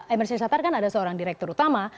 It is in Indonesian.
emir syahshatar kan ada seorang direktur utama